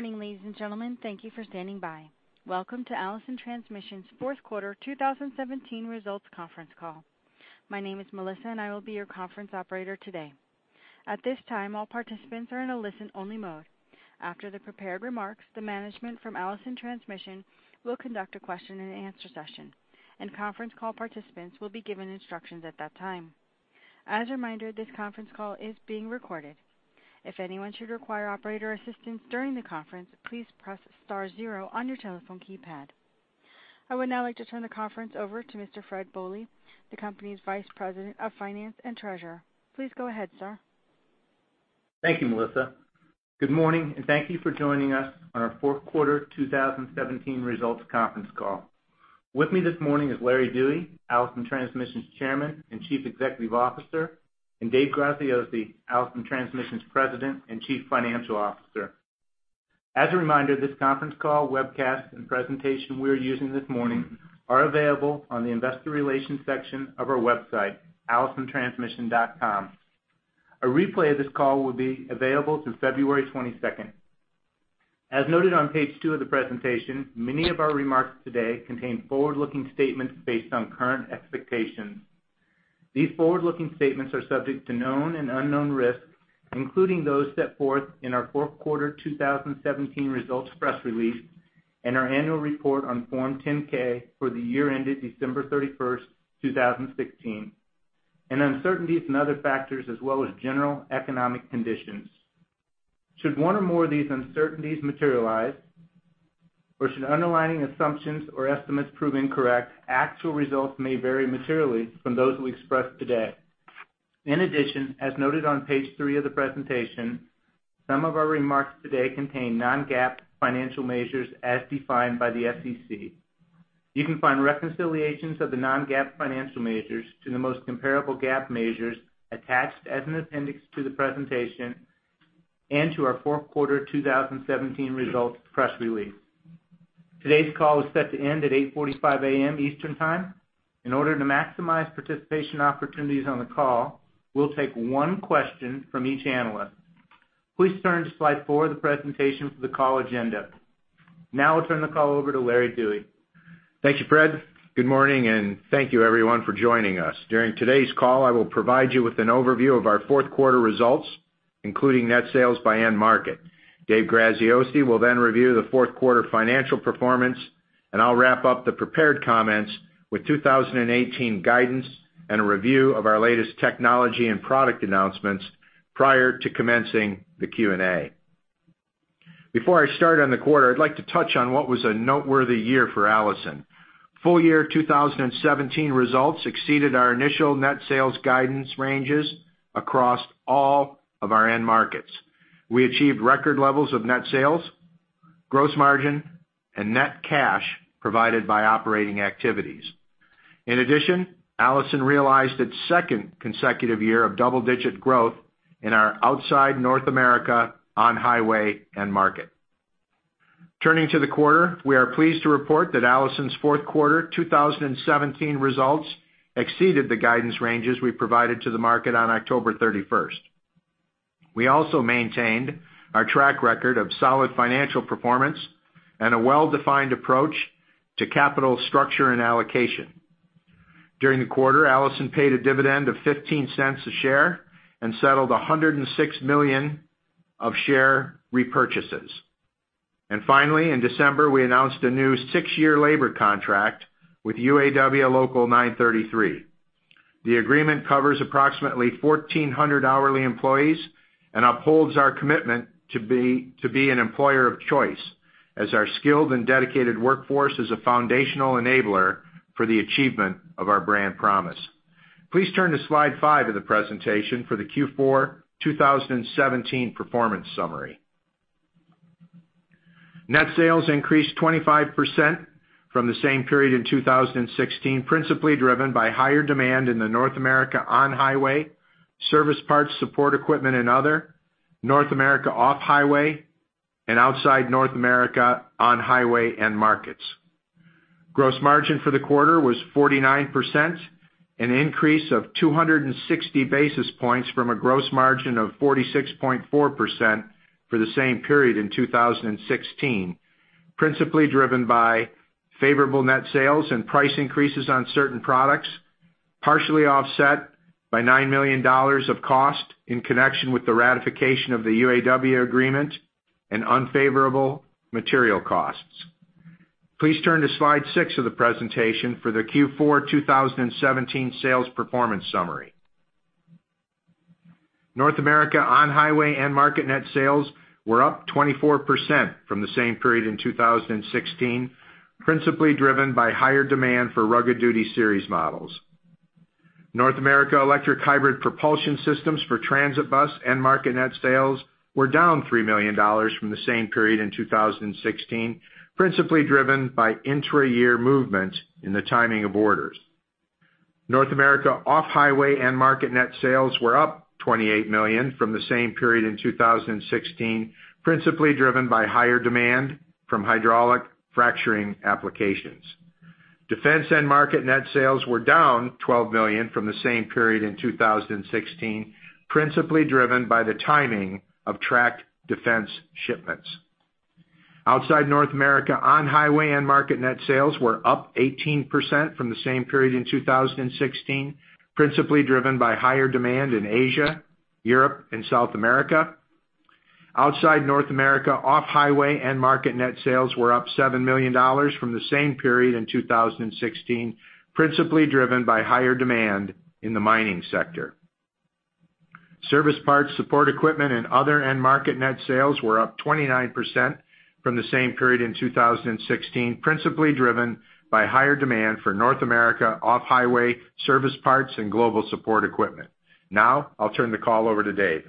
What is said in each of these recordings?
Good morning, ladies and gentlemen. Thank you for standing by. Welcome to Allison Transmission's fourth quarter 2017 results conference call. My name is Melissa, and I will be your conference operator today. At this time, all participants are in a listen-only mode. After the prepared remarks, the management from Allison Transmission will conduct a question-and-answer session, and conference call participants will be given instructions at that time. As a reminder, this conference call is being recorded. If anyone should require operator assistance during the conference, please press star zero on your telephone keypad. I would now like to turn the conference over to Mr. Fred Bohley, the company's Vice President of Finance and Treasurer. Please go ahead, sir. Thank you, Melissa. Good morning, and thank you for joining us on our fourth quarter 2017 results conference call. With me this morning is Larry Dewey, Allison Transmission's Chairman and Chief Executive Officer, and Dave Graziosi, Allison Transmission's President and Chief Financial Officer. As a reminder, this conference call, webcast, and presentation we are using this morning are available on the investor relations section of our website, allisontransmission.com. A replay of this call will be available through February 22. As noted on Page 2 of the presentation, many of our remarks today contain forward-looking statements based on current expectations. These forward-looking statements are subject to known and unknown risks, including those set forth in our fourth quarter 2017 results press release and our annual report on Form 10-K for the year ended December 31, 2016, and uncertainties and other factors as well as general economic conditions. Should one or more of these uncertainties materialize, or should underlying assumptions or estimates prove incorrect, actual results may vary materially from those we express today. In addition, as noted on Page 3 of the presentation, some of our remarks today contain non-GAAP financial measures as defined by the SEC. You can find reconciliations of the non-GAAP financial measures to the most comparable GAAP measures attached as an appendix to the presentation and to our fourth quarter 2017 results press release. Today's call is set to end at 8:45 A.M. Eastern Time. In order to maximize participation opportunities on the call, we'll take one question from each analyst. Please turn to slide four of the presentation for the call agenda. Now I'll turn the call over to Larry Dewey. Thank you, Fred. Good morning, and thank you everyone for joining us. During today's call, I will provide you with an overview of our fourth quarter results, including net sales by end market. Dave Graziosi will then review the fourth quarter financial performance, and I'll wrap up the prepared comments with 2018 guidance and a review of our latest technology and product announcements prior to commencing the Q&A. Before I start on the quarter, I'd like to touch on what was a noteworthy year for Allison. Full year 2017 results exceeded our initial net sales guidance ranges across all of our end markets. We achieved record levels of net sales, gross margin, and net cash provided by operating activities. In addition, Allison realized its second consecutive year of double-digit growth in our outside North America on-highway end market. Turning to the quarter, we are pleased to report that Allison's fourth quarter 2017 results exceeded the guidance ranges we provided to the market on October 31. We also maintained our track record of solid financial performance and a well-defined approach to capital structure and allocation. During the quarter, Allison paid a dividend of $0.15 a share and settled $106 million of share repurchases. Finally, in December, we announced a new 6-year labor contract with UAW Local 933. The agreement covers approximately 1,400 hourly employees and upholds our commitment to be an employer of choice, as our skilled and dedicated workforce is a foundational enabler for the achievement of our brand promise. Please turn to Slide 5 of the presentation for the Q4 2017 performance summary. Net sales increased 25% from the same period in 2016, principally-driven by higher demand in the North America on-highway, service parts, support equipment, and other, North America off-highway and outside North America on-highway end markets. Gross margin for the quarter was 49%, an increase of 260 basis points from a gross margin of 46.4% for the same period in 2016, principally-driven by favorable net sales and price increases on certain products, partially offset by $9 million of cost in connection with the ratification of the UAW agreement and unfavorable material costs. Please turn to slide 6 of the presentation for the Q4 2017 sales performance summary. North America on-highway end market net sales were up 24% from the same period in 2016, principally-driven by higher demand for Rugged Duty Series models. North America electric hybrid propulsion systems for transit bus end market net sales were down $3 million from the same period in 2016, principally-driven by intra-year movement in the timing of orders. North America off-highway end market net sales were up $28 million from the same period in 2016, principally-driven by higher demand from hydraulic fracturing applications. Defense end market net sales were down $12 million from the same period in 2016, principally-driven by the timing of tracked defense shipments. Outside North America, on-highway end market net sales were up 18% from the same period in 2016, principally-driven by higher demand in Asia, Europe, and South America. Outside North America, off-highway end market net sales were up $7 million from the same period in 2016, principally-driven by higher demand in the mining sector. Service parts, support equipment, and other end market net sales were up 29% from the same period in 2016, principally-driven by higher demand for North America off-highway service parts and global support equipment. Now, I'll turn the call over to Dave.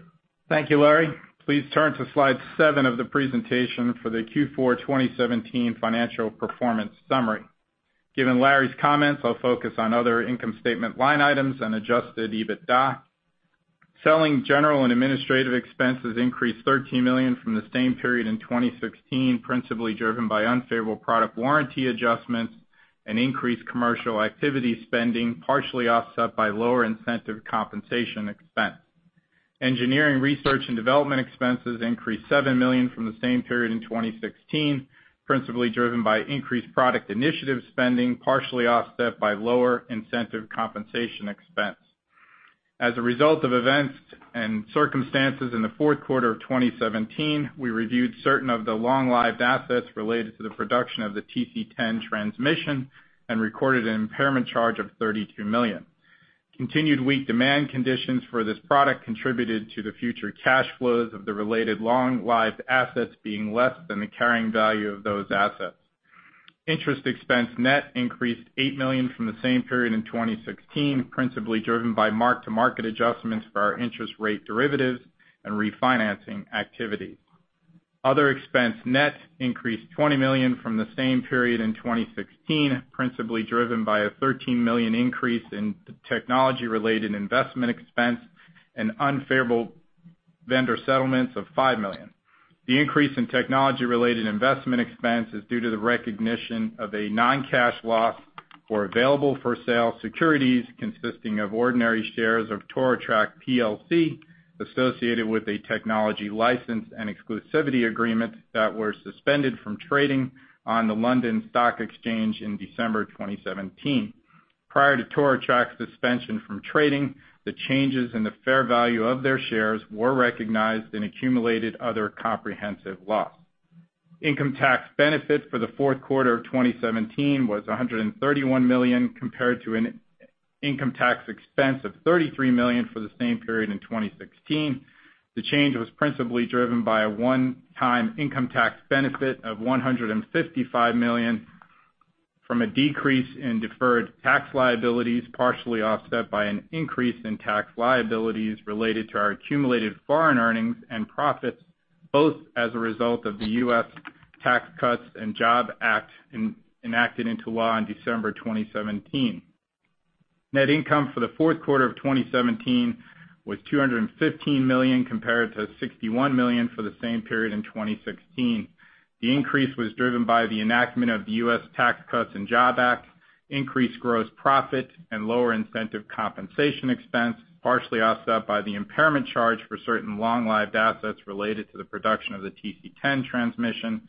Thank you, Larry. Please turn to Slide 7 of the presentation for the Q4 2017 financial performance summary. Given Larry's comments, I'll focus on other income statement line items and Adjusted EBITDA. Selling, general, and administrative expenses increased $13 million from the same period in 2016, principally-driven by unfavorable product warranty adjustments and increased commercial activity spending, partially offset by lower incentive compensation expense. Engineering, research, and development expenses increased $7 million from the same period in 2016, principally-driven by increased product initiative spending, partially offset by lower incentive compensation expense. As a result of events and circumstances in the fourth quarter of 2017, we reviewed certain of the long-lived assets related to the production of the TC10 transmission and recorded an impairment charge of $32 million. Continued weak demand conditions for this product contributed to the future cash flows of the related long-lived assets being less than the carrying value of those assets. Interest expense net increased $8 million from the same period in 2016, principally-driven by mark-to-market adjustments for our interest rate derivatives and refinancing activity. Other expense net increased $20 million from the same period in 2016, principally-driven by a $13 million increase in technology-related investment expense and unfavorable vendor settlements of $5 million. The increase in technology-related investment expense is due to the recognition of a non-cash loss for available-for-sale securities, consisting of ordinary shares of Torotrak PLC, associated with a technology license and exclusivity agreement that were suspended from trading on the London Stock Exchange in December 2017. Prior to Torotrak's suspension from trading, the changes in the fair value of their shares were recognized in accumulated other comprehensive loss. Income tax benefit for the fourth quarter of 2017 was $131 million, compared to an income tax expense of $33 million for the same period in 2016. The change was principally-driven by a one-time income tax benefit of $155 million from a decrease in deferred tax liabilities, partially offset by an increase in tax liabilities related to our accumulated foreign earnings and profits, both as a result of the U.S. Tax Cuts and Jobs Act enacted into law in December 2017. Net income for the fourth quarter of 2017 was $215 million, compared to $61 million for the same period in 2016. The increase was driven by the enactment of the U.S. Tax Cuts and Jobs Act, increased gross profit, and lower incentive compensation expense, partially offset by the impairment charge for certain long-lived assets related to the production of the TC10 transmission,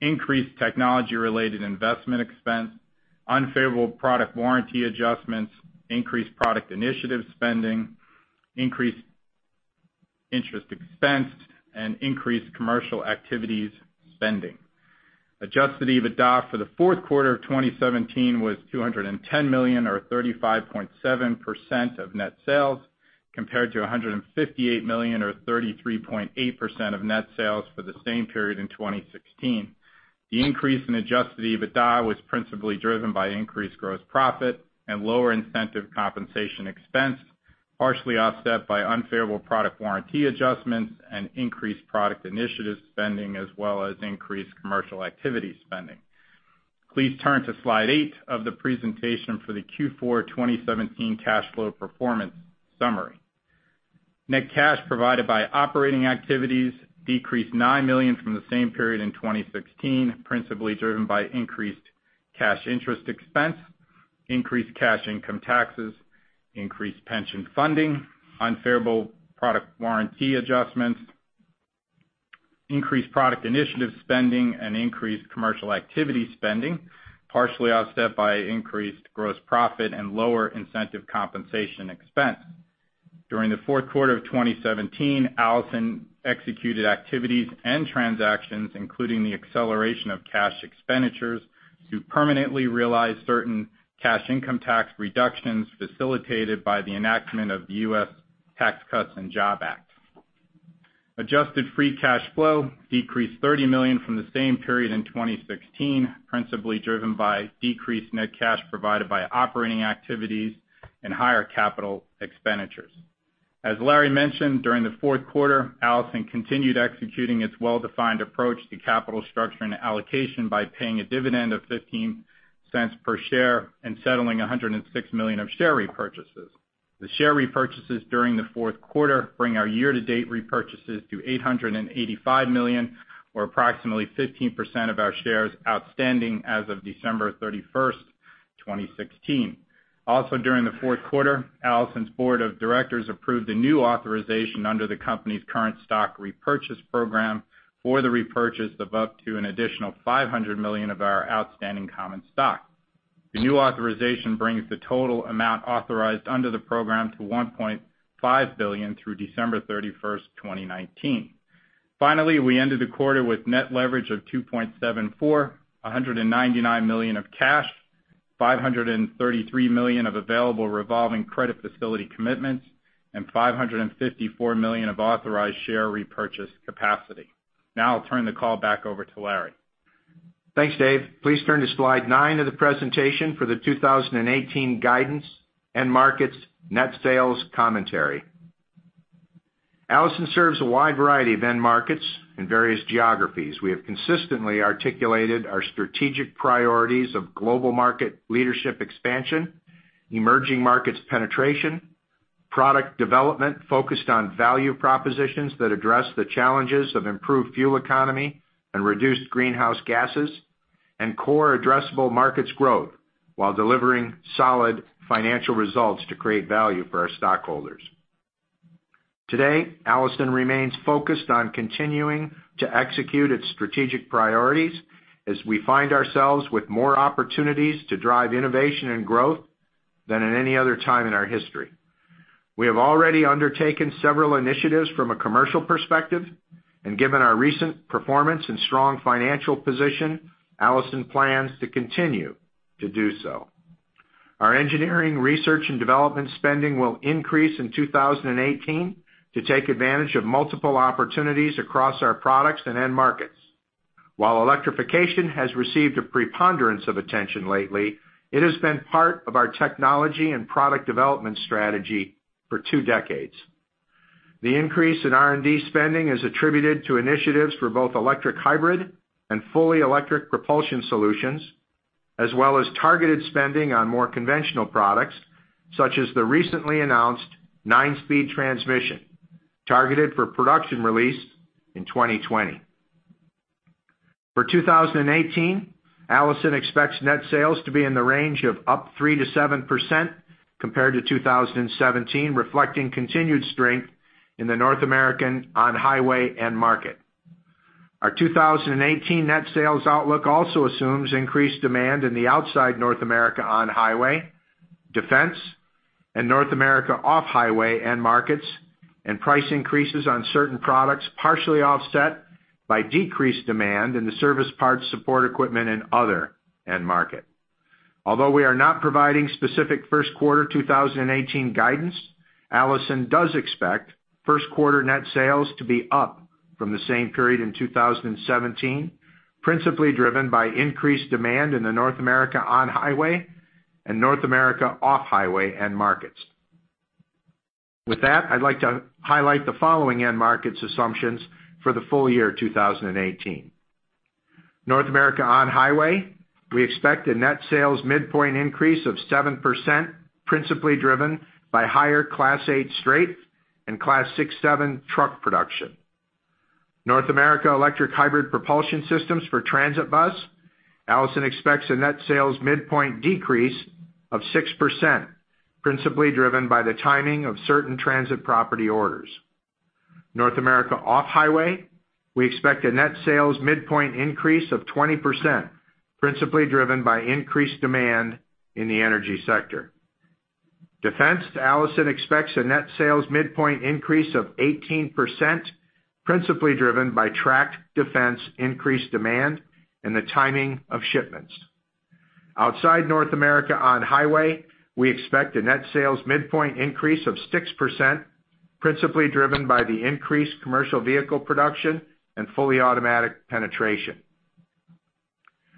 increased technology-related investment expense, unfavorable product warranty adjustments, increased product initiative spending, increased interest expense, and increased commercial activities spending. Adjusted EBITDA for the fourth quarter of 2017 was $210 million, or 35.7% of net sales, compared to $158 million, or 33.8% of net sales for the same period in 2016. The increase in Adjusted EBITDA was principally-driven by increased gross profit and lower incentive compensation expense, partially offset by unfavorable product warranty adjustments and increased product initiative spending, as well as increased commercial activity spending. Please turn to Slide 8 of the presentation for the Q4 2017 cash flow performance summary. Net cash provided by operating activities decreased $9 million from the same period in 2016, principally-driven by increased cash interest expense, increased cash income taxes, increased pension funding, unfavorable product warranty adjustments, increased product initiative spending, and increased commercial activity spending, partially offset by increased gross profit and lower incentive compensation expense. During the fourth quarter of 2017, Allison executed activities and transactions, including the acceleration of cash expenditures, to permanently realize certain cash income tax reductions facilitated by the enactment of the U.S. Tax Cuts and Jobs Act. Adjusted free cash flow decreased $30 million from the same period in 2016, principally-driven by decreased net cash provided by operating activities and higher capital expenditures. As Larry mentioned, during the fourth quarter, Allison continued executing its well-defined approach to capital structure and allocation by paying a dividend of $0.15 per share and settling $106 million of share repurchases. The share repurchases during the fourth quarter bring our year-to-date repurchases to $885 million, or approximately 15% of our shares outstanding as of December 31st, 2016. Also, during the fourth quarter, Allison's board of directors approved a new authorization under the company's current stock repurchase program for the repurchase of up to an additional $500 million of our outstanding common stock. The new authorization brings the total amount authorized under the program to $1.5 billion through December 31, 2019. Finally, we ended the quarter with net leverage of 2.74, $199 million of cash, $533 million of available revolving credit facility commitments, and $554 million of authorized share repurchase capacity. Now I'll turn the call back over to Larry. Thanks, Dave. Please turn to Slide 9 of the presentation for the 2018 guidance end markets net sales commentary. Allison serves a wide variety of end markets in various geographies. We have consistently articulated our strategic priorities of global market leadership expansion, emerging markets penetration, product development focused on value propositions that address the challenges of improved fuel economy and reduced greenhouse gases, and core addressable markets growth while delivering solid financial results to create value for our stockholders. Today, Allison remains focused on continuing to execute its strategic priorities as we find ourselves with more opportunities to drive innovation and growth than at any other time in our history. We have already undertaken several initiatives from a commercial perspective, and given our recent performance and strong financial position, Allison plans to continue to do so. Our engineering, research, and development spending will increase in 2018 to take advantage of multiple opportunities across our products and end markets. While electrification has received a preponderance of attention lately, it has been part of our technology and product development strategy for two decades. The increase in R&D spending is attributed to initiatives for both electric hybrid and fully electric propulsion solutions, as well as targeted spending on more conventional products, such as the recently announced 9-speed transmission, targeted for production release in 2020. For 2018, Allison expects net sales to be in the range of up 3%-7% compared to 2017, reflecting continued strength in the North American on-highway end market. Our 2018 net sales outlook also assumes increased demand in the outside North America on-highway, defense, and North America off-highway end markets, and price increases on certain products, partially offset by decreased demand in the service parts, support equipment, and other end market. Although we are not providing specific first quarter 2018 guidance, Allison does expect first quarter net sales to be up from the same period in 2017, principally-driven by increased demand in the North America on-highway and North America off-highway end markets. With that, I'd like to highlight the following end markets assumptions for the full year 2018. North America on-highway, we expect a net sales midpoint increase of 7%, principally-driven by higher Class 8 straight and Class 6-7 truck production. North America electric hybrid propulsion systems for transit bus, Allison expects a net sales midpoint decrease of 6%, principally-driven by the timing of certain transit property orders. North America off-highway, we expect a net sales midpoint increase of 20%, principally-driven by increased demand in the energy sector. Defense, Allison expects a net sales midpoint increase of 18%, principally-driven by tracked defense increased demand and the timing of shipments. Outside North America on-highway, we expect a net sales midpoint increase of 6%, principally-driven by the increased commercial vehicle production and fully automatic penetration.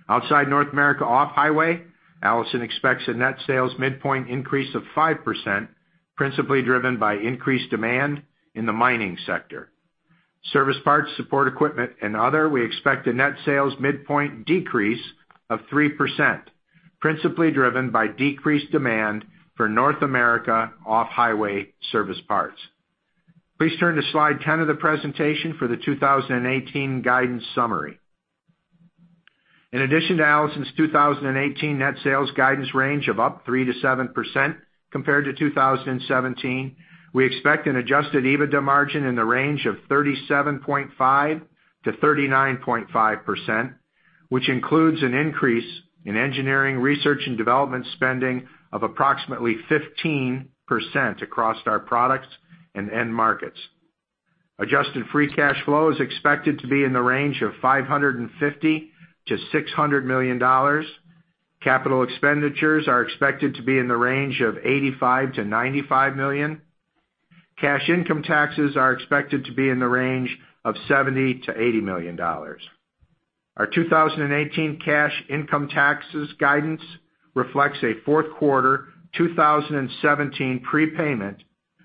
Outside North America off-highway, Allison expects a net sales midpoint increase of 5%, principally-driven by increased demand in the mining sector. Service parts, support equipment, and other, we expect a net sales midpoint decrease of 3%, principally-driven by decreased demand for North America off-highway service parts. Please turn to Slide 10 of the presentation for the 2018 guidance summary. In addition to Allison's 2018 net sales guidance range of up 3%-7% compared to 2017, we expect an Adjusted EBITDA margin in the range of 37.5%-39.5%, which includes an increase in engineering, research, and development spending of approximately 15% across our products and end markets. Adjusted free cash flow is expected to be in the range of $550 million-$600 million. Capital expenditures are expected to be in the range of $85 million-$95 million. Cash income taxes are expected to be in the range of $70 million-$80 million. Our 2018 cash income taxes guidance reflects a fourth quarter 2017 prepayment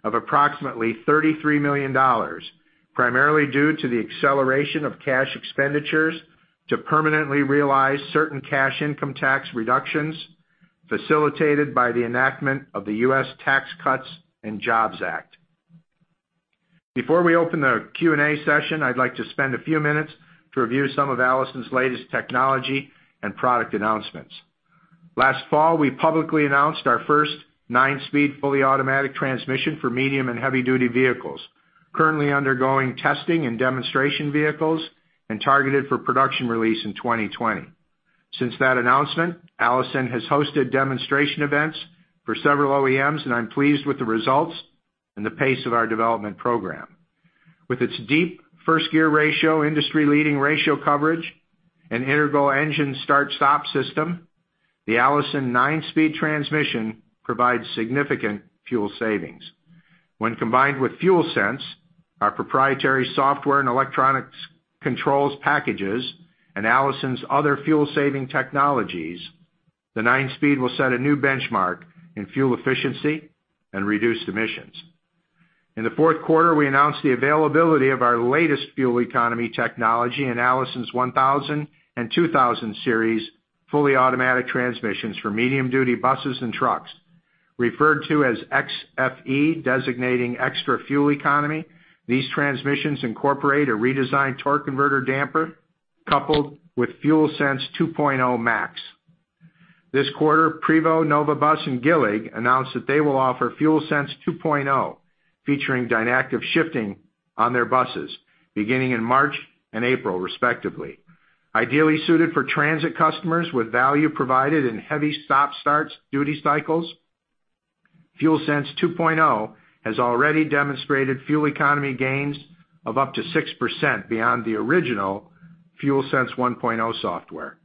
of approximately $33 million, primarily due to the acceleration of cash expenditures to permanently realize certain cash income tax reductions, facilitated by the enactment of the U.S. Tax Cuts and Jobs Act. Before we open the Q&A session, I'd like to spend a few minutes to review some of Allison's latest technology and product announcements. Last fall, we publicly announced our first 9-speed, fully automatic transmission for medium- and heavy-duty vehicles, currently undergoing testing and demonstration vehicles and targeted for production release in 2020. Since that announcement, Allison has hosted demonstration events for several OEMs, and I'm pleased with the results and the pace of our development program. With its deep first gear ratio, industry-leading ratio coverage, and integral engine start-stop system, the Allison 9-speed transmission provides significant fuel savings. When combined with FuelSense, our proprietary software and electronic controls packages, and Allison's other fuel-saving technologies, the 9-speed will set a new benchmark in fuel efficiency and reduced emissions. In the fourth quarter, we announced the availability of our latest fuel economy technology in Allison's 1000 and 2000 Series, fully automatic transmissions for medium-duty buses and trucks, referred to as xFE, designating extra fuel economy. These transmissions incorporate a redesigned torque converter damper coupled with FuelSense 2.0 Max. This quarter, Prevost, Nova Bus, and Gillig announced that they will offer FuelSense 2.0, featuring DynActive Shifting on their buses, beginning in March and April, respectively. Ideally suited for transit customers with value provided in heavy stop-start duty cycles, FuelSense 2.0 has already demonstrated fuel economy gains of up to 6% beyond the original FuelSense 1.0 software.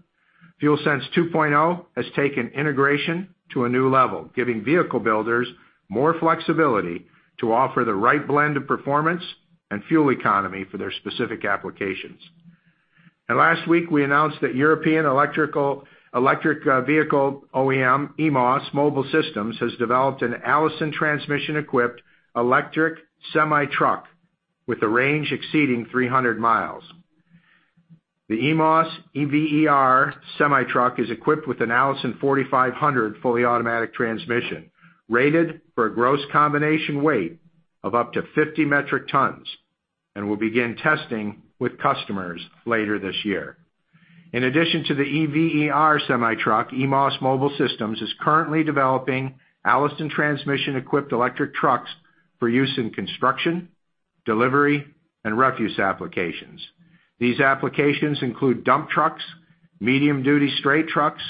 FuelSense 2.0 has taken integration to a new level, giving vehicle builders more flexibility to offer the right blend of performance and fuel economy for their specific applications. Last week, we announced that European electric vehicle OEM, EMOSS Mobile Systems, has developed an Allison transmission-equipped electric semi-truck with a range exceeding 300 mi. The EMOSS E.V.E.R. semi-truck is equipped with an Allison 4500 fully automatic transmission, rated for a gross combination weight of up to 50 metric tons and will begin testing with customers later this year. In addition to the E.V.E.R. semi-truck, EMOSS Mobile Systems is currently developing Allison transmission-equipped electric trucks for use in construction, delivery, and refuse applications. These applications include dump trucks, medium-duty straight trucks,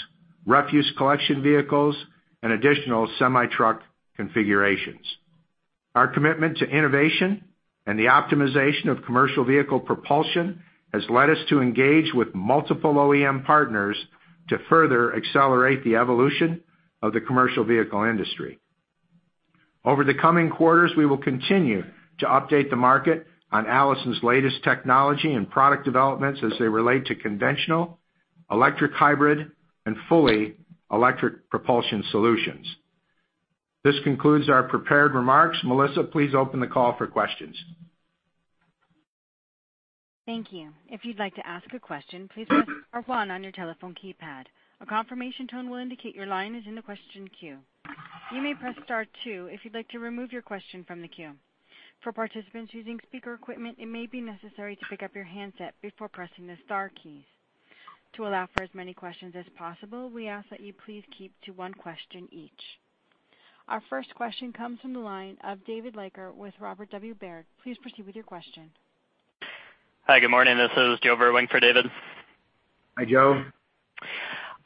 refuse collection vehicles, and additional semi-truck configurations. Our commitment to innovation and the optimization of commercial vehicle propulsion has led us to engage with multiple OEM partners to further accelerate the evolution of the commercial vehicle industry. Over the coming quarters, we will continue to update the market on Allison's latest technology and product developments as they relate to conventional, electric, hybrid, and fully electric propulsion solutions. This concludes our prepared remarks. Melissa, please open the call for questions. Thank you. If you'd like to ask a question, please press star or one on your telephone keypad. A confirmation tone will indicate your line is in the question queue. You may press star two if you'd like to remove your question from the queue. For participants using speaker equipment, it may be necessary to pick up your handset before pressing the star keys. To allow for as many questions as possible, we ask that you please keep to one question each. Our first question comes from the line of David Leiker with Robert W. Baird. Please proceed with your question. Hi, good morning. This is Joe Vruwink for David. Hi, Joe.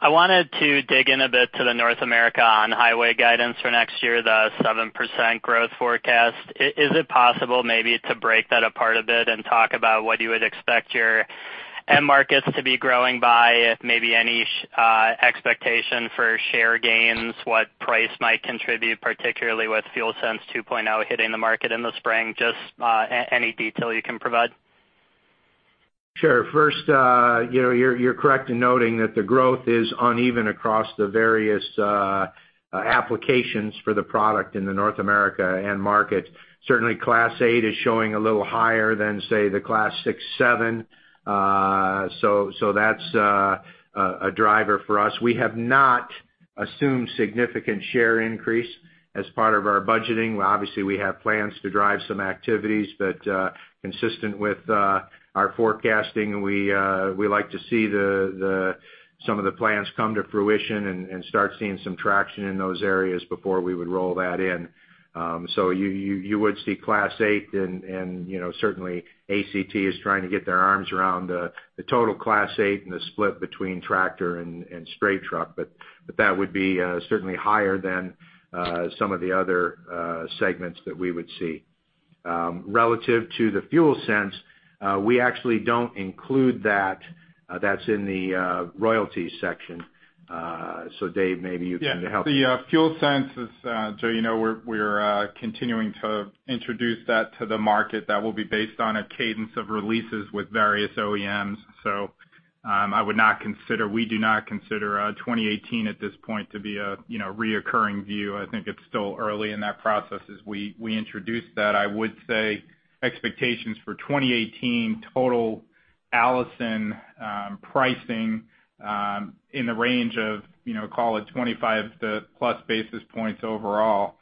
I wanted to dig in a bit to the North America on-highway guidance for next year, the 7% growth forecast. Is it possible maybe to break that apart a bit and talk about what you would expect your end markets to be growing by, if maybe any expectation for share gains, what price might contribute, particularly with FuelSense 2.0 hitting the market in the spring? Just any detail you can provide. Sure. First, you know, you're correct in noting that the growth is uneven across the various applications for the product in the North America end market. Certainly, Class 8 is showing a little higher than, say, the Class 6, 7. So that's a driver for us. We have not assumed significant share increase as part of our budgeting. Obviously, we have plans to drive some activities, but consistent with our forecasting, we like to see some of the plans come to fruition and start seeing some traction in those areas before we would roll that in. So you would see Class 8 and, you know, certainly, ACT is trying to get their arms around the total Class 8 and the split between tractor and straight truck. But that would be certainly higher than some of the other segments that we would see. Relative to the FuelSense, we actually don't include that. That's in the royalty section. So Dave, maybe you can help. Yeah, the FuelSense is, Joe, you know, we're, we're, continuing to introduce that to the market. That will be based on a cadence of releases with various OEMs. I would not consider, we do not consider, 2018 at this point to be a, you know, recurring view. I think it's still early in that process. As we, we introduced that, I would say expectations for 2018 total Allison pricing in the range of, you know, call it 25+ basis points overall.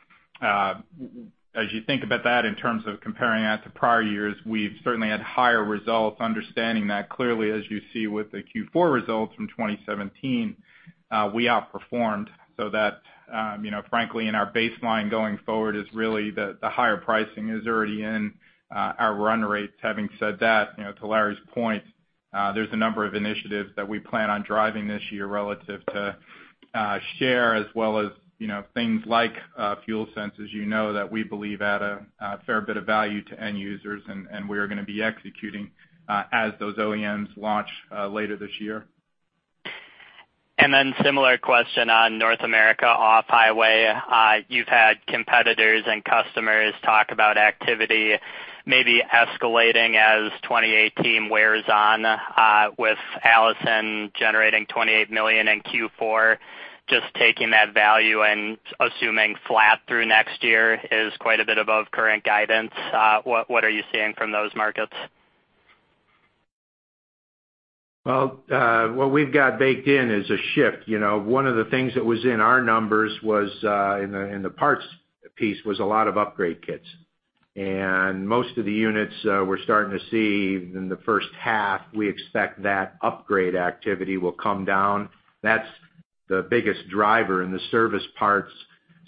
As you think about that in terms of comparing that to prior years, we've certainly had higher results, understanding that clearly, as you see with the Q4 results from 2017, we outperformed. So that, you know, frankly, in our baseline going forward is really the higher pricing is already in our run rates. Having said that, you know, to Larry's point, there's a number of initiatives that we plan on driving this year relative to share, as well as, you know, things like FuelSense, as you know, that we believe add a fair bit of value to end users, and we are gonna be executing as those OEMs launch later this year. And then similar question on North America off-highway. You've had competitors and customers talk about activity, maybe escalating as 2018 wears on, with Allison generating $28 million in Q4, just taking that value and assuming flat through next year is quite a bit above current guidance. What are you seeing from those markets? Well, what we've got baked in is a shift, you know. One of the things that was in our numbers was, in the parts piece, was a lot of upgrade kits. And most of the units, we're starting to see in the first half, we expect that upgrade activity will come down. That's the biggest driver in the service parts,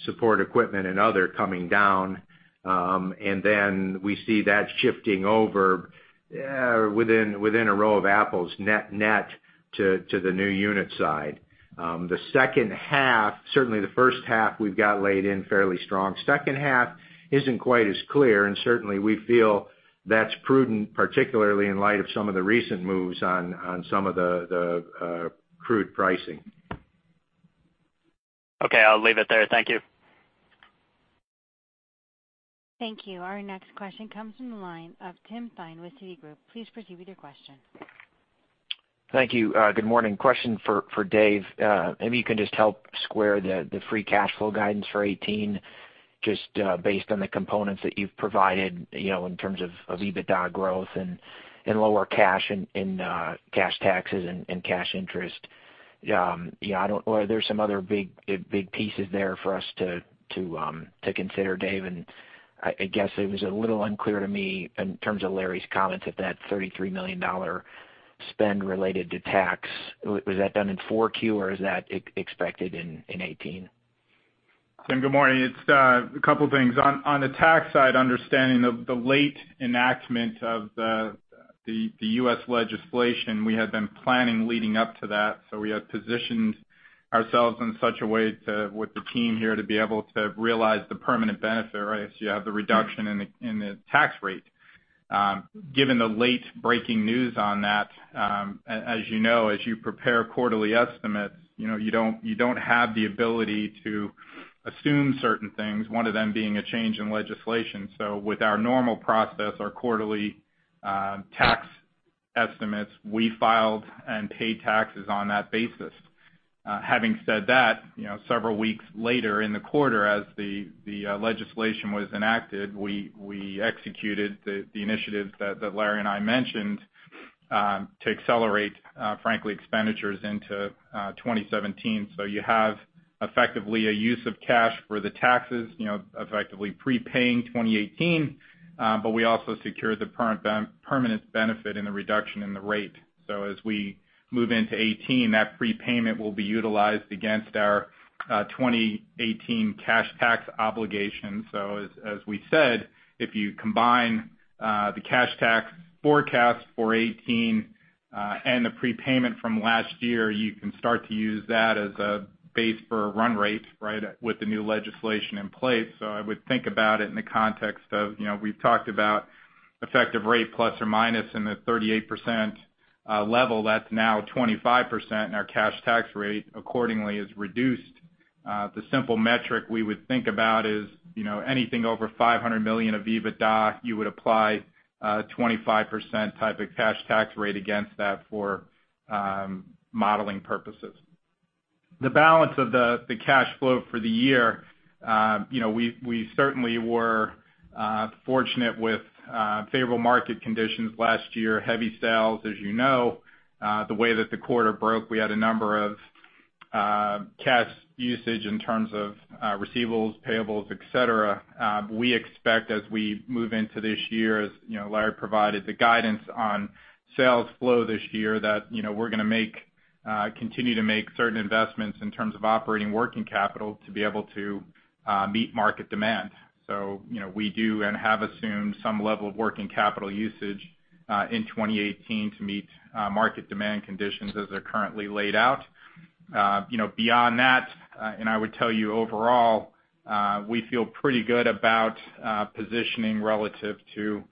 support equipment, and other coming down. And then we see that shifting over, within apples-to-apples, net-net, to the new unit side. The second half, certainly the first half, we've got laid in fairly strong. Second half isn't quite as clear, and certainly we feel that's prudent, particularly in light of some of the recent moves on some of the crude pricing. Okay, I'll leave it there. Thank you. Thank you. Our next question comes from the line of Tim Thein with Citigroup. Please proceed with your question. Thank you, good morning. Question for Dave. Maybe you can just help square the free cash flow guidance for 2018, just based on the components that you've provided, you know, in terms of EBITDA growth and lower cash taxes and cash interest. Yeah, I don't -- or are there some other big pieces there for us to consider, Dave? And I guess it was a little unclear to me in terms of Larry's comments, if that $33 million spend related to tax was that done in 4Q, or is that expected in 2018? Tim, good morning. It's a couple things. On the tax side, understanding of the late enactment of the U.S. legislation, we had been planning leading up to that. So we had positioned ourselves in such a way to, with the team here, to be able to realize the permanent benefit, right? So you have the reduction in the tax rate. Given the late breaking news on that, as you know, as you prepare quarterly estimates, you know, you don't have the ability to assume certain things, one of them being a change in legislation. So with our normal process, our quarterly tax estimates, we filed and paid taxes on that basis. Having said that, you know, several weeks later in the quarter, as the legislation was enacted, we executed the initiatives that Larry and I mentioned, to accelerate, frankly, expenditures into 2017. So you have effectively a use of cash for the taxes, you know, effectively prepaying 2018, but we also secured the permanent benefit in the reduction in the rate. So as we move into 2018, that prepayment will be utilized against our 2018 cash tax obligation. So as we said, if you combine the cash tax forecast for 2018 and the prepayment from last year, you can start to use that as a base for a run rate, right, with the new legislation in place. So I would think about it in the context of, you know, we've talked about effective rate plus or minus in the 38% level, that's now 25%, and our cash tax rate accordingly is reduced. The simple metric we would think about is, you know, anything over 500 million of EBITDA, you would apply, 25% type of cash tax rate against that for, modeling purposes. The balance of the cash flow for the year, you know, we certainly were fortunate with, favorable market conditions last year, heavy sales, as you know. The way that the quarter broke, we had a number of, cash usage in terms of, receivables, payables, et cetera. We expect as we move into this year, as, you know, Larry provided the guidance on sales flow this year, that, you know, we're gonna make, continue to make certain investments in terms of operating working capital to be able to meet market demand. So, you know, we do and have assumed some level of working capital usage in 2018 to meet market demand conditions as they're currently laid out. You know, beyond that, and I would tell you overall, we feel pretty good about positioning relative to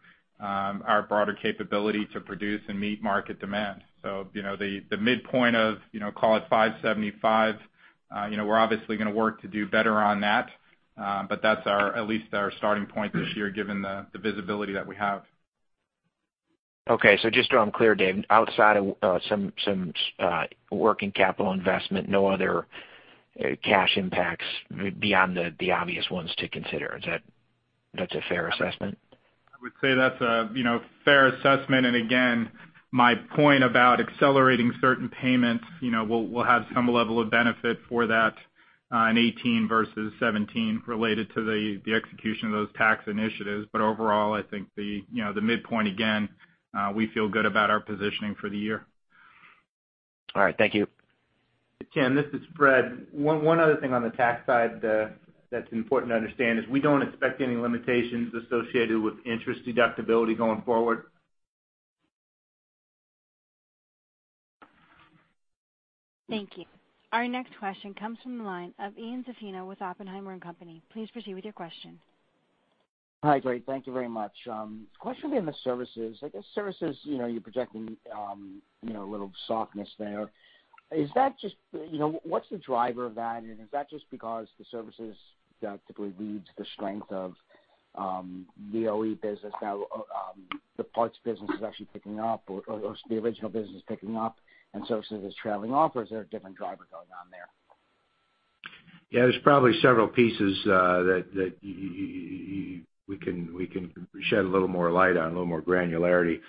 our broader capability to produce and meet market demand. So, you know, the midpoint of, you know, call it $575, you know, we're obviously gonna work to do better on that. But that's our, at least our starting point this year, given the visibility that we have. Okay, so just so I'm clear, Dave, outside of some working capital investment, no other cash impacts beyond the obvious ones to consider. Is that a fair assessment? I would say that's a, you know, fair assessment. And again, my point about accelerating certain payments, you know, we'll have some level of benefit for that in 2018 versus 2017, related to the execution of those tax initiatives. But overall, I think the, you know, the midpoint, again, we feel good about our positioning for the year. All right. Thank you. Tim, this is Fred. One other thing on the tax side, that's important to understand is we don't expect any limitations associated with interest deductibility going forward. Thank you. Our next question comes from the line of Ian Zaffino with Oppenheimer & Co. Please proceed with your question. Hi, great. Thank you very much. Question in the services. I guess, services, you know, you're projecting, you know, a little softness there. Is that just, you know, what's the driver of that? And is that just because the services that typically leads the strength of, the OE business now, the parts business is actually picking up or, or the original business is picking up and services is trailing off, or is there a different driver going on there? Yeah, there's probably several pieces that we can shed a little more light on, a little more granularity.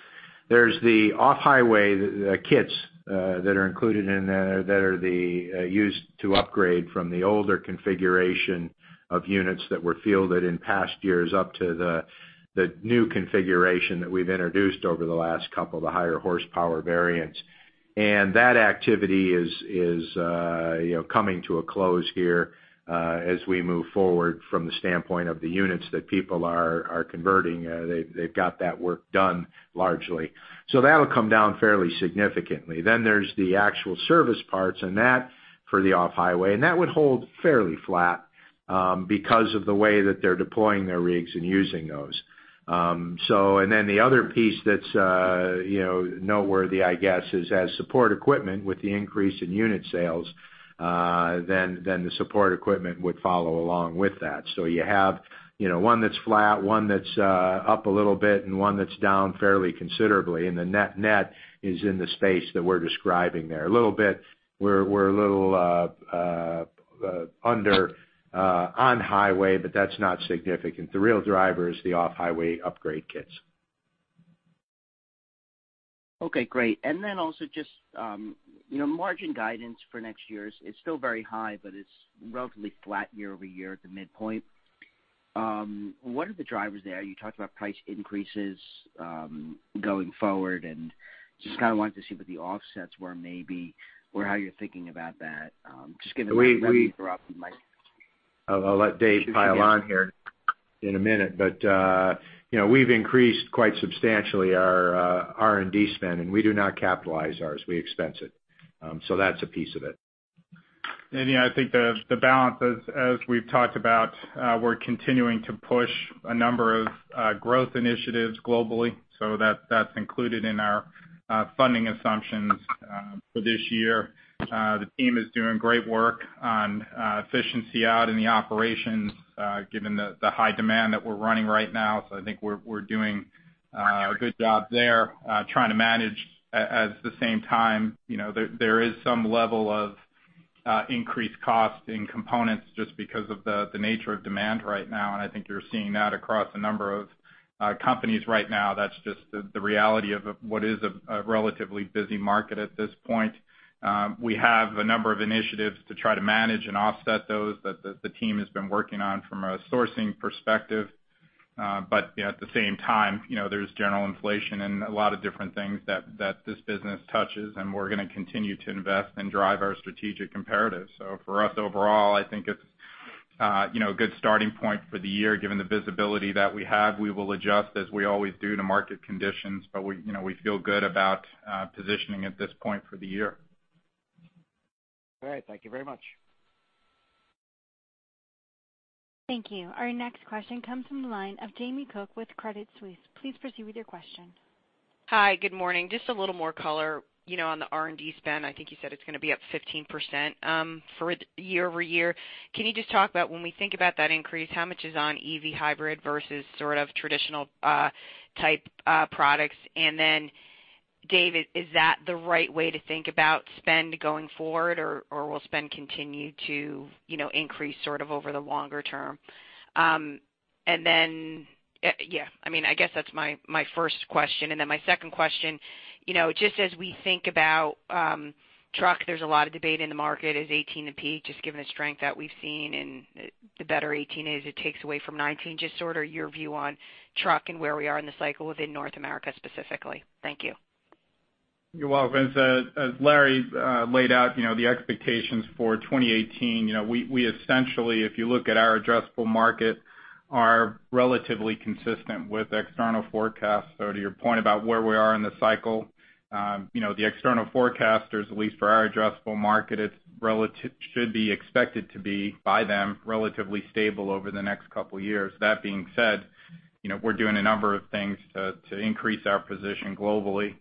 There's the off-highway kits that are included in there that are used to upgrade from the older configuration of units that were fielded in past years up to the new configuration that we've introduced over the last couple, the higher horsepower variants. And that activity is, you know, coming to a close here as we move forward from the standpoint of the units that people are converting. They've got that work done largely. So that'll come down fairly significantly. Then there's the actual service parts and that for the off-highway and that would hold fairly flat because of the way that they're deploying their rigs and using those. So and then the other piece that's, you know, noteworthy, I guess, is as support equipment with the increase in unit sales, then, then the support equipment would follow along with that. So you have, you know, one that's flat, one that's up a little bit, and one that's down fairly considerably, and the net, net is in the space that we're describing there. A little bit, we're, we're a little under on-highway, but that's not significant. The real driver is the off-highway upgrade kits. Okay, great. And then also just, you know, margin guidance for next year is still very high, but it's relatively flat year over year at the midpoint. What are the drivers there? You talked about price increases, going forward, and just kind of wanted to see what the offsets were maybe, or how you're thinking about that. Just given the- We, we- -might. I'll let Dave pile on here in a minute, but, you know, we've increased quite substantially our R&D spend, and we do not capitalize ours. We expense it. So that's a piece of it. Yeah, I think the balance as we've talked about, we're continuing to push a number of growth initiatives globally, so that's included in our funding assumptions for this year. The team is doing great work on efficiency out in the operations, given the high demand that we're running right now. So I think we're doing a good job there, trying to manage. At the same time, you know, there is some level of increased cost in components just because of the nature of demand right now. And I think you're seeing that across a number of companies right now. That's just the reality of what is a relatively busy market at this point. We have a number of initiatives to try to manage and offset those, that the team has been working on from a sourcing perspective. But, you know, at the same time, you know, there's general inflation and a lot of different things that this business touches, and we're gonna continue to invest and drive our strategic imperatives. So for us, overall, I think it's, you know, a good starting point for the year, given the visibility that we have. We will adjust, as we always do, to market conditions, but we, you know, we feel good about positioning at this point for the year. All right. Thank you very much. Thank you. Our next question comes from the line of Jamie Cook with Credit Suisse. Please proceed with your question. Hi, good morning. Just a little more color, you know, on the R&D spend. I think you said it's gonna be up 15%, for year-over-year. Can you just talk about when we think about that increase, how much is on EV hybrid versus sort of traditional, type, products? And then, Dave, is that the right way to think about spend going forward, or, or will spend continue to, you know, increase sort of over the longer term? And then, yeah, I mean, I guess that's my, my first question. And then my second question, you know, just as we think about, truck, there's a lot of debate in the market, is 2018 the peak, just given the strength that we've seen and the better 2018 is, it takes away from 2019. Just sort of your view on truck and where we are in the cycle within North America specifically? Thank you. You're welcome. As as Larry laid out, you know, the expectations for 2018, you know, we, we essentially, if you look at our addressable market, are relatively consistent with external forecasts. So to your point about where we are in the cycle, you know, the external forecasters, at least for our addressable market, it's relative-- should be expected to be, by them, relatively stable over the next couple of years. That being said, you know, we're doing a number of things to, to increase our position globally,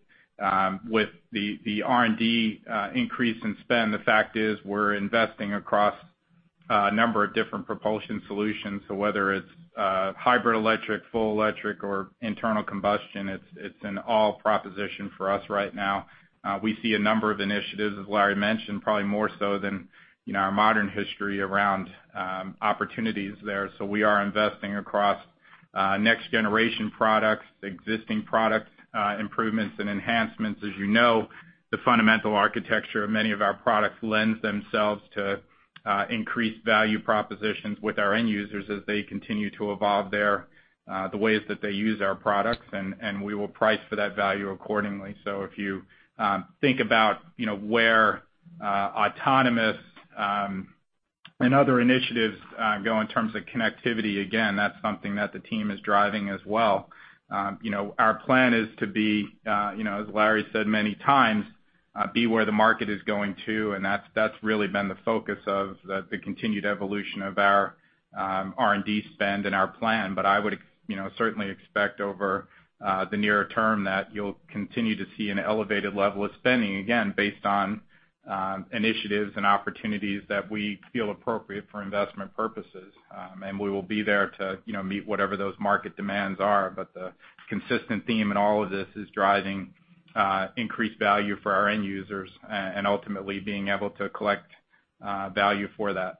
with the, the R&D, increase in spend. The fact is, we're investing across a number of different propulsion solutions. So whether it's, hybrid electric, full electric, or internal combustion, it's, it's an all proposition for us right now. We see a number of initiatives, as Larry mentioned, probably more so than, you know, our modern history around opportunities there. So we are investing across next generation products, existing product improvements and enhancements. As you know, the fundamental architecture of many of our products lends themselves to increased value propositions with our end users as they continue to evolve their the ways that they use our products, and, and we will price for that value accordingly. So if you think about, you know, where autonomous and other initiatives go in terms of connectivity, again, that's something that the team is driving as well. You know, our plan is to be, you know, as Larry said many times, be where the market is going to, and that's really been the focus of the continued evolution of our, R&D spend and our plan. But I would, you know, certainly expect over the nearer term that you'll continue to see an elevated level of spending, again, based on initiatives and opportunities that we feel appropriate for investment purposes. And we will be there to, you know, meet whatever those market demands are. But the consistent theme in all of this is driving increased value for our end users and ultimately being able to collect value for that.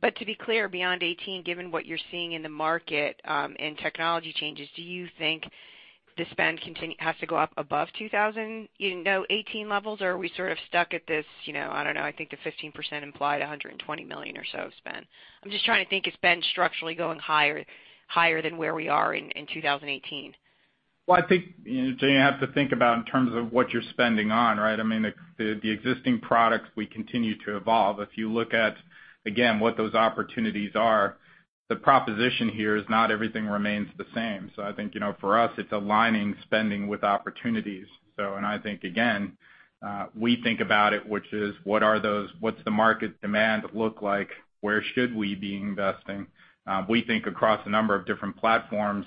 But to be clear, beyond 2018, given what you're seeing in the market, and technology changes, do you think the spend has to go up above 2,000, you know, 2018 levels? Or are we sort of stuck at this, you know, I don't know, I think the 15% implied $120 million or so of spend. I'm just trying to think, is spend structurally going higher, higher than where we are in 2018? Well, I think, you know, Jamie, you have to think about in terms of what you're spending on, right? I mean, the existing products, we continue to evolve. If you look at, again, what those opportunities are, the proposition here is not everything remains the same. So I think, you know, for us, it's aligning spending with opportunities. So and I think again, we think about it, which is what are those—what's the market demand look like? Where should we be investing? We think across a number of different platforms,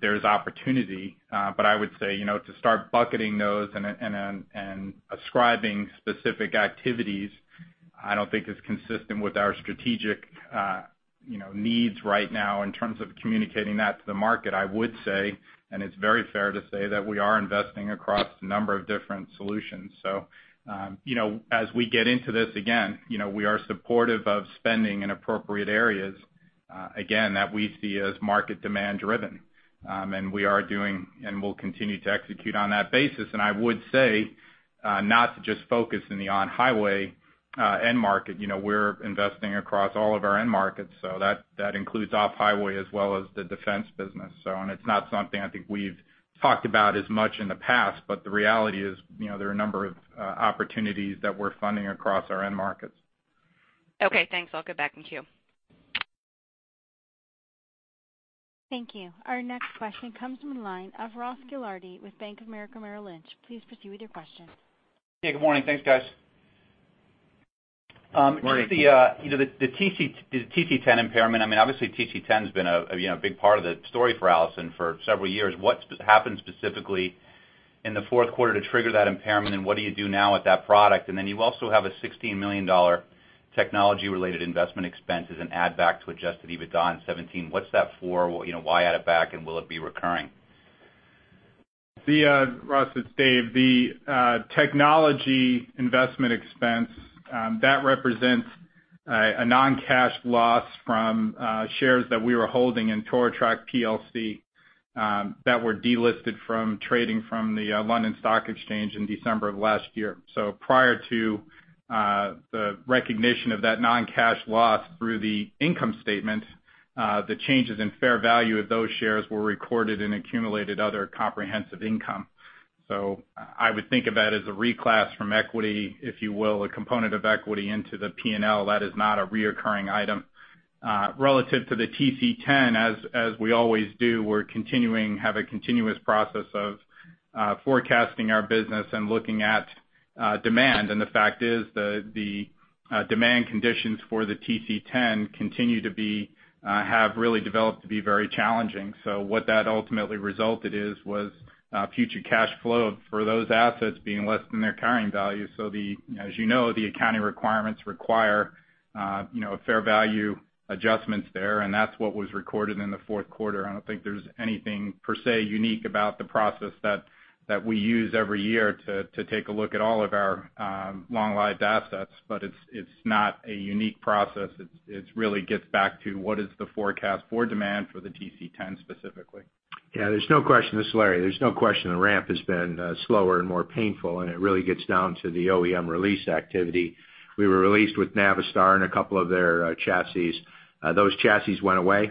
there's opportunity. But I would say, you know, to start bucketing those and ascribing specific activities, I don't think is consistent with our strategic, you know, needs right now in terms of communicating that to the market. I would say, and it's very fair to say, that we are investing across a number of different solutions. So, you know, as we get into this again, you know, we are supportive of spending in appropriate areas, again, that we see as market demand driven. And we are doing and will continue to execute on that basis. And I would say, not to just focus in the on-highway, end market. You know, we're investing across all of our end markets, so that, that includes off-highway as well as the defense business. So and it's not something I think we've talked about as much in the past, but the reality is, you know, there are a number of, opportunities that we're funding across our end markets. Okay, thanks. I'll get back in queue. Thank you. Our next question comes from the line of Ross Gilardi with Bank of America Merrill Lynch. Please proceed with your question. Hey, good morning. Thanks, guys. Good morning. Just the, you know, the TC10 impairment, I mean, obviously TC10 has been a, you know, a big part of the story for Allison for several years. What happened specifically in the fourth quarter to trigger that impairment, and what do you do now with that product? And then you also have a $16 million technology-related investment expense as an add back to Adjusted EBITDA in 2017. What's that for? You know, why add it back, and will it be recurring? Ross, it's Dave. The technology investment expense that represents a non-cash loss from shares that we were holding in Torotrak PLC that were delisted from trading from the London Stock Exchange in December of last year. So prior to the recognition of that non-cash loss through the income statement, the changes in fair value of those shares were recorded in accumulated other comprehensive income. So I would think of that as a reclass from equity, if you will, a component of equity into the P&L. That is not a recurring item. Relative to the TC10, as we always do, we're continuing, have a continuous process of forecasting our business and looking at demand. The fact is, the demand conditions for the TC10 continue to have really developed to be very challenging. So what that ultimately resulted was future cash flow for those assets being less than their carrying value. So, as you know, the accounting requirements require, you know, fair value adjustments there, and that's what was recorded in the fourth quarter. I don't think there's anything per se unique about the process that we use every year to take a look at all of our long-lived assets, but it's not a unique process. It really gets back to what is the forecast for demand for the TC10 specifically. Yeah, there's no question, this is Larry. There's no question the ramp has been slower and more painful, and it really gets down to the OEM release activity. We were released with Navistar and a couple of their chassis. Those chassis went away,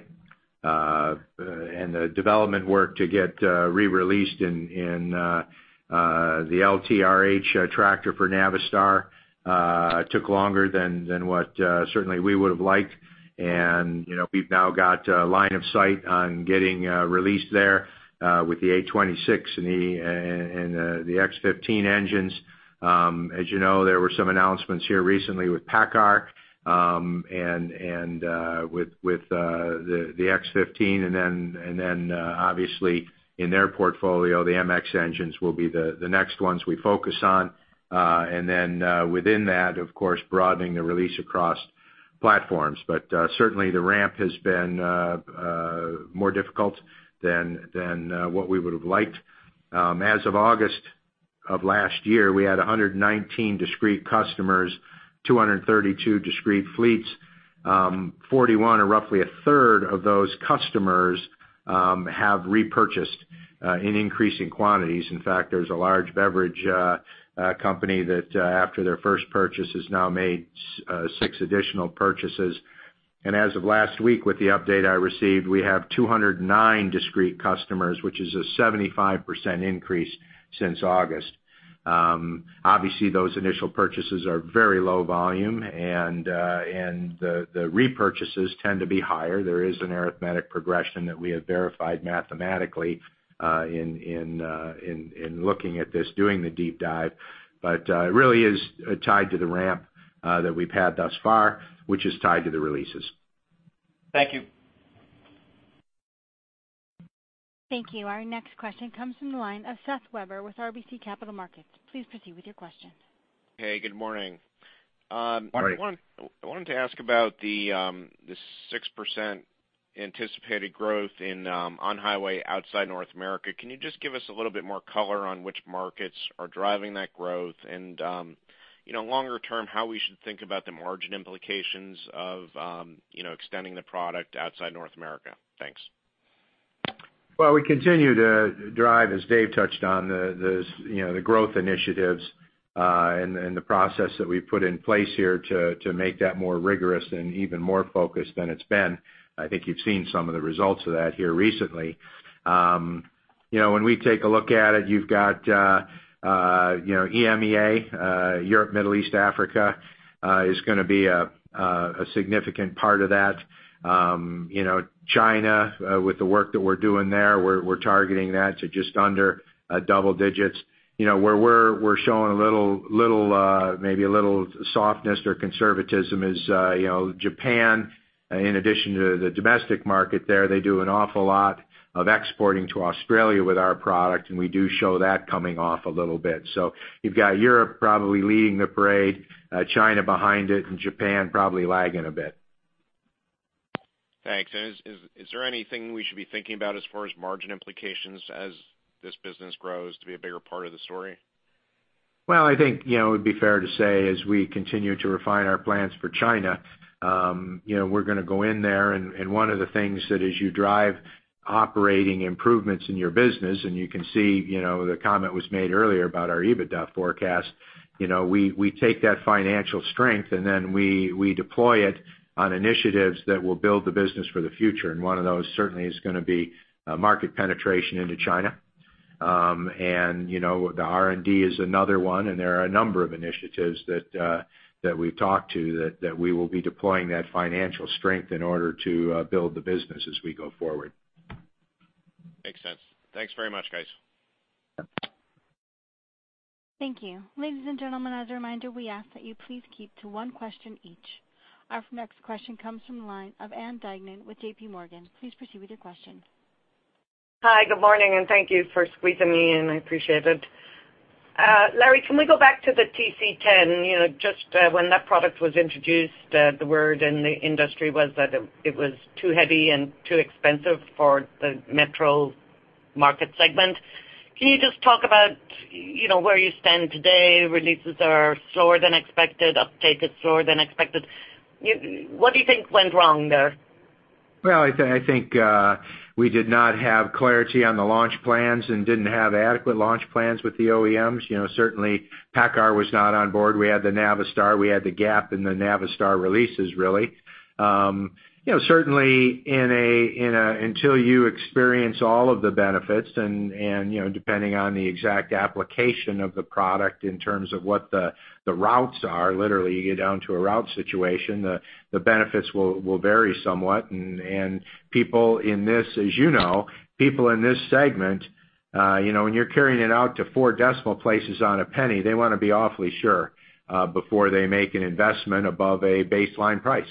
and the development work to get re-released in the LT RH tractor for Navistar took longer than what certainly we would have liked. And, you know, we've now got line of sight on getting released there with the A26 and the X15 engines. As you know, there were some announcements here recently with PACCAR, and with the X15, and then obviously in their portfolio, the MX engines will be the next ones we focus on. And then, within that, of course, broadening the release across platforms. But certainly the ramp has been more difficult than what we would have liked. As of August of last year, we had 119 discrete customers, 232 discrete fleets. 41 or roughly a 1/3 of those customers have repurchased in increasing quantities. In fact, there's a large beverage company that, after their first purchase, has now made six additional purchases. And as of last week, with the update I received, we have 209 discrete customers, which is a 75% increase since August. Obviously, those initial purchases are very low volume, and the repurchases tend to be higher. There is an arithmetic progression that we have verified mathematically, in looking at this, doing the deep dive. But, it really is tied to the ramp that we've had thus far, which is tied to the releases. Thank you. Thank you. Our next question comes from the line of Seth Weber with RBC Capital Markets. Please proceed with your question. Hey, good morning. Morning. I wanted to ask about the 6% anticipated growth in on-highway outside North America. Can you just give us a little bit more color on which markets are driving that growth? And, you know, longer term, how we should think about the margin implications of, you know, extending the product outside North America? Thanks. Well, we continue to drive, as Dave touched on, the you know, the growth initiatives, and the process that we've put in place here to make that more rigorous and even more focused than it's been. I think you've seen some of the results of that here recently. You know, when we take a look at it, you've got you know, EMEA, Europe, Middle East, Africa, is gonna be a significant part of that. You know, China, with the work that we're doing there, we're targeting that to just under double digits. You know, where we're showing a little, maybe a little softness or conservatism is, you know, Japan, in addition to the domestic market there, they do an awful lot of exporting to Australia with our product, and we do show that coming off a little bit. So you've got Europe probably leading the parade, China behind it, and Japan probably lagging a bit. Thanks. Is there anything we should be thinking about as far as margin implications as this business grows to be a bigger part of the story? Well, I think, you know, it would be fair to say, as we continue to refine our plans for China, you know, we're gonna go in there, and one of the things that as you drive operating improvements in your business, and you can see, you know, the comment was made earlier about our EBITDA forecast, you know, we take that financial strength, and then we deploy it on initiatives that will build the business for the future. And one of those certainly is gonna be market penetration into China. And you know, the R&D is another one, and there are a number of initiatives that we've talked to, that we will be deploying that financial strength in order to build the business as we go forward. Makes sense. Thanks very much, guys. Thank you. Ladies and gentlemen, as a reminder, we ask that you please keep to one question each. Our next question comes from the line of Ann Duignan with JPMorgan. Please proceed with your question. Hi, good morning, and thank you for squeezing me in. I appreciate it. Larry, can we go back to the TC10? You know, just, when that product was introduced, the word in the industry was that it, it was too heavy and too expensive for the metro market segment. Can you just talk about, you know, where you stand today? Releases are slower than expected, uptake is slower than expected. You—what do you think went wrong there? Well, I think, I think we did not have clarity on the launch plans and didn't have adequate launch plans with the OEMs. You know, certainly, PACCAR was not on board. We had the Navistar, we had the gap in the Navistar releases, really. You know, certainly in a until you experience all of the benefits and, you know, depending on the exact application of the product in terms of what the routes are, literally, you get down to a route situation, the benefits will vary somewhat. And people in this, as you know, people in this segment, you know, when you're carrying it out to four decimal places on a penny, they want to be awfully sure before they make an investment above a baseline price.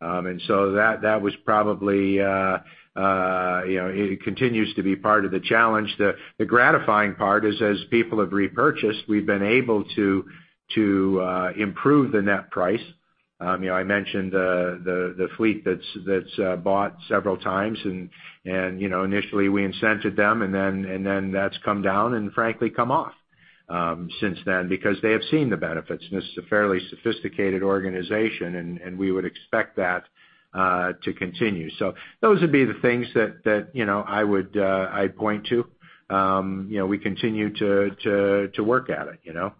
And so that, that was probably, you know, it continues to be part of the challenge. The gratifying part is, as people have repurchased, we've been able to improve the net price. You know, I mentioned the fleet that's bought several times and, you know, initially we incented them, and then that's come down and frankly, come off, since then, because they have seen the benefits. And this is a fairly sophisticated organization, and we would expect that to continue. So those would be the things that, you know, I would, I'd point to. You know, we continue to work at it, you know?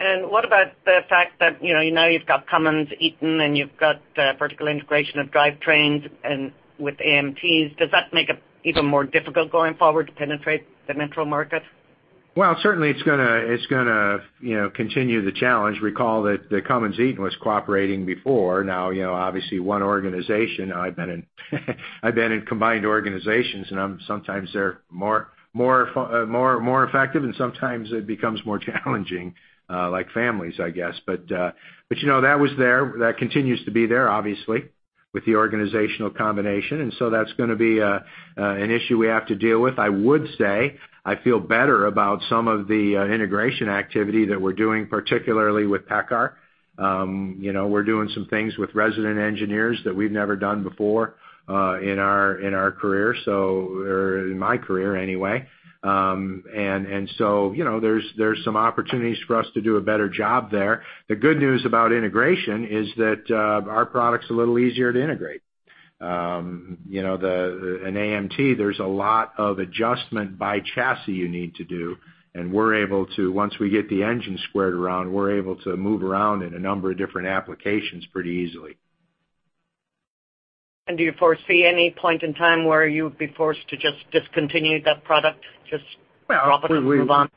What about the fact that, you know, now you've got Cummins-Eaton, and you've got vertical integration of drivetrains and with AMTs. Does that make it even more difficult going forward to penetrate the metro market? Well, certainly it's gonna, you know, continue the challenge. Recall that the Cummins-Eaton was cooperating before. Now, you know, obviously, one organization, I've been in combined organizations, and sometimes they're more effective, and sometimes it becomes more challenging, like families, I guess. But you know, that was there. That continues to be there, obviously, with the organizational combination, and so that's gonna be an issue we have to deal with. I would say, I feel better about some of the integration activity that we're doing, particularly with PACCAR. You know, we're doing some things with resident engineers that we've never done before, in our career, or in my career anyway. And so, you know, there's some opportunities for us to do a better job there. The good news about integration is that, our product's a little easier to integrate. You know, the, in AMT, there's a lot of adjustment by chassis you need to do, and we're able to, once we get the engine squared around, we're able to move around in a number of different applications pretty easily. Do you foresee any point in time where you would be forced to just discontinue that product, just- Well- Drop it and move on?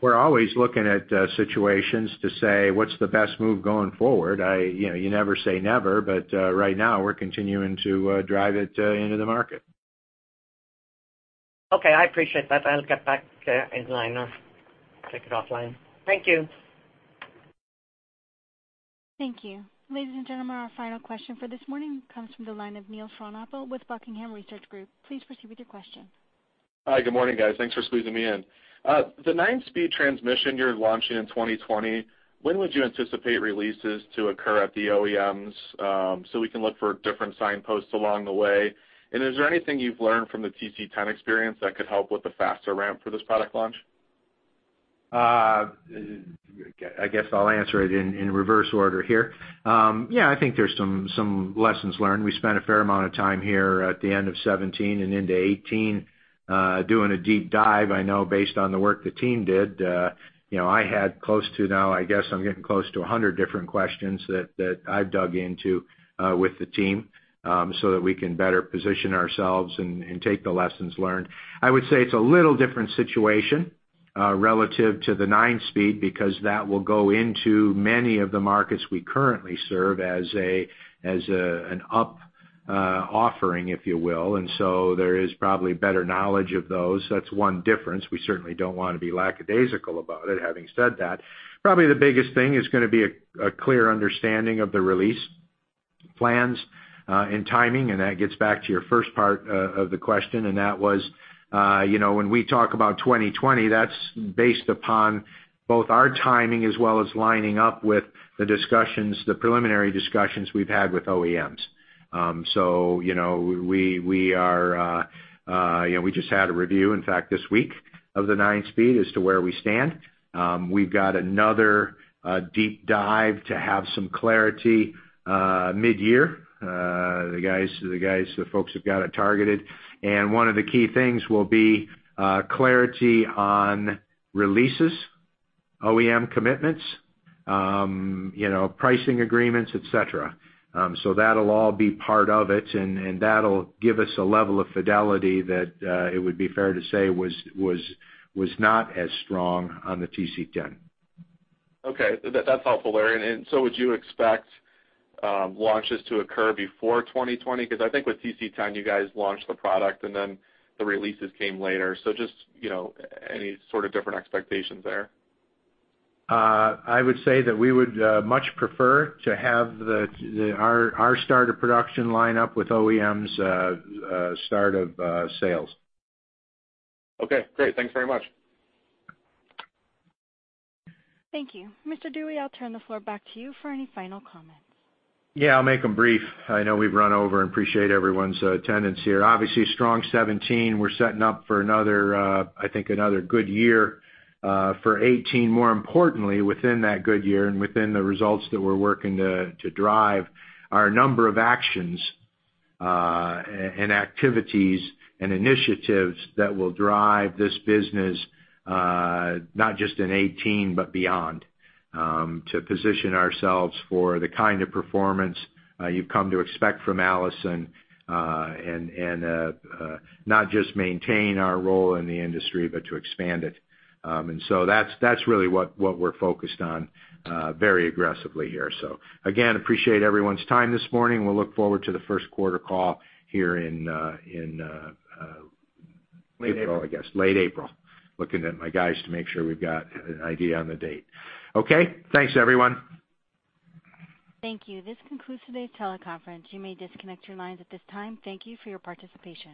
We're always looking at situations to say, "What's the best move going forward?" You know, you never say never, but right now, we're continuing to drive it into the market. Okay, I appreciate that. I'll get back in line, take it offline. Thank you. Thank you. Ladies and gentlemen, our final question for this morning comes from the line of Neil Frohnapple with Buckingham Research Group. Please proceed with your question. Hi, good morning, guys. Thanks for squeezing me in. The 9-speed transmission you're launching in 2020, when would you anticipate releases to occur at the OEMs, so we can look for different signposts along the way? And is there anything you've learned from the TC10 experience that could help with a faster ramp for this product launch? I guess I'll answer it in, in reverse order here. Yeah, I think there's some, some lessons learned. We spent a fair amount of time here at the end of 2017 and into 2018, doing a deep dive. I know based on the work the team did, you know, I had close to now, I guess, I'm getting close to 100 different questions that, that I've dug into, with the team, so that we can better-position ourselves and, and take the lessons learned. I would say it's a little different situation, relative to the 9-speed, because that will go into many of the markets we currently serve as a, as a, an up, offering, if you will, and so there is probably better knowledge of those. That's one difference. We certainly don't want to be lackadaisical about it, having said that. Probably the biggest thing is gonna be a clear understanding of the release plans, and timing, and that gets back to your first part of the question, and that was, you know, when we talk about 2020, that's based upon both our timing, as well as lining up with the discussions, the preliminary discussions we've had with OEMs. So you know, we are, you know, we just had a review, in fact, this week, of the 9-speed as to where we stand. We've got another deep dive to have some clarity mid-year. The guys, the folks have got it targeted. And one of the key things will be clarity on releases, OEM commitments, you know, pricing agreements, et cetera. So that'll all be part of it, and that'll give us a level of fidelity that it would be fair to say was not as strong on the TC10. Okay. That, that's helpful, Larry. And, and so would you expect launches to occur before 2020? Because I think with TC10, you guys launched the product and then the releases came later. So just, you know, any sort of different expectations there? I would say that we would much prefer to have our start of production line up with OEM's start of sales. Okay, great. Thanks very much. Thank you. Mr. Dewey, I'll turn the floor back to you for any final comments. Yeah, I'll make them brief. I know we've run over and appreciate everyone's attendance here. Obviously, strong 2017. We're setting up for another, I think another good year, for 2018. More importantly, within that good year and within the results that we're working to drive, are a number of actions, and activities and initiatives that will drive this business, not just in 2018, but beyond, to position ourselves for the kind of performance you've come to expect from Allison. And not just maintain our role in the industry, but to expand it. And so that's really what we're focused on, very aggressively here. So again, appreciate everyone's time this morning. We'll look forward to the first quarter call here in, Late April. I guess, late April. Looking at my guys to make sure we've got an idea on the date. Okay? Thanks, everyone. Thank you. This concludes today's teleconference. You may disconnect your lines at this time. Thank you for your participation.